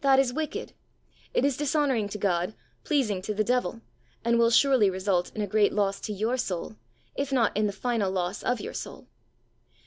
That is wicked. It is dishonouring to God, pleasing to the devil, and will surely result in a great loss to your soul, if not in the final loss of your soul.